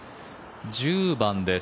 １０番です。